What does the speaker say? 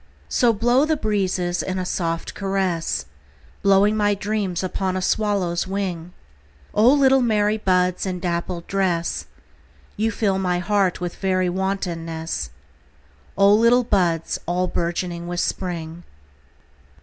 So blow the breezes in a soft caress, Blowing my dreams upon a swallow's wing;O little merry buds in dappled dress, You fill my heart with very wantonness—O little buds all bourgeoning with Spring!